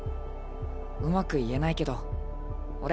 うまく言えないけど俺。